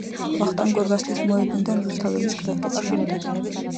ვახტანგ გორგასლის მოედნიდან რუსთავის გზატკეცილამდე.